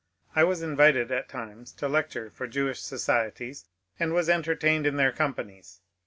I was invited at times to lecture for Jewish societies, and was entertained in their companies.